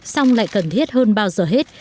song lại cần thiết hơn bao giờ hết